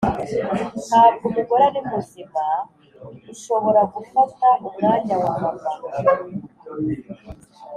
ntabwo umugore ari muzima ushobora gufata umwanya wa mama